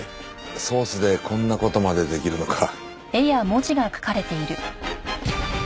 ソースでこんな事までできるのか。